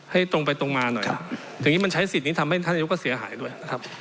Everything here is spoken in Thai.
ตรงไปตรงมาหน่อยอย่างนี้มันใช้สิทธิ์นี้ทำให้ท่านอายุก็เสียหายด้วยนะครับ